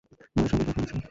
মায়ের সঙ্গে দেখা হয়েছে।